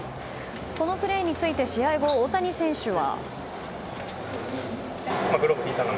このプレーについて試合後、大谷選手は。